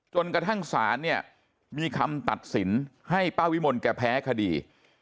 จนกระทั่งศาลเนี่ยมีคำตัดสินให้ป้าวิมลแกแพ้คดี